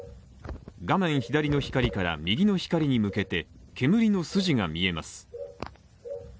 画面左の光から右の光に向けて、煙の筋が見えます。